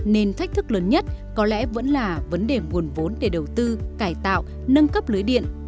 nên thách thức lớn nhất có lẽ vẫn là vấn đề nguồn vốn để đầu tư cải tạo nâng cấp lưới điện